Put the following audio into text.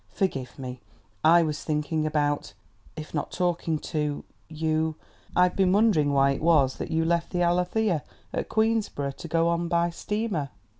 "Forgive me. I was thinking about, if not talking to, you.... I've been wondering just why it was that you left the Alethea at Queensborough, to go on by steamer."